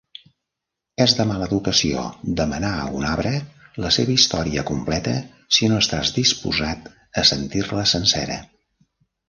És de mala educació demanar a un arbre la seva història completa si no estàs disposat a sentir-la sencera.